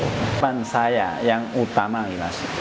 harapan saya yang utama ini mas